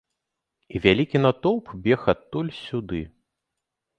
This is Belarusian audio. І вялікі натоўп бег адтуль сюды.